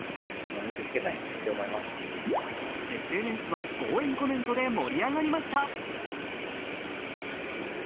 ＳＮＳは応援コメントで盛り上がりました。